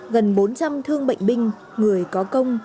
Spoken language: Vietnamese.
gần bốn trăm linh thương bệnh binh người có công